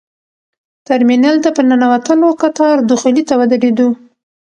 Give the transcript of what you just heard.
ترمینل ته په ننوتلو کتار دخولي ته ودرېدو.